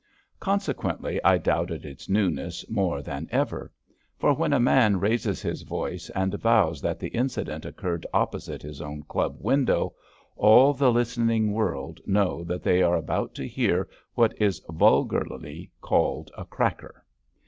Consequently, I doubted its newness more than ever. For when a man raises his voice and vows that the incident occurred opposite his own Club window, all the listening world know that they are about to hear what is vulgarly called a cracker.